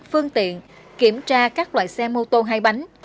phương tiện kiểm tra các loại xe mô tô hay bánh